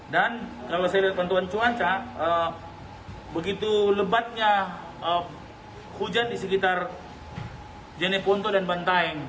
dan kalau saya lihat pantauan cuaca begitu lebatnya hujan di sekitar jeneponto dan bantaeng